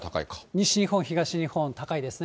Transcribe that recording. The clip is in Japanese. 西日本、東日本高いですね。